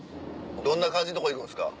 どんな感じのとこ行くんですか？